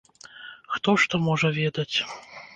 Хто што можа ведаць?!